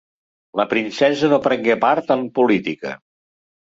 La princesa no prengué part en política.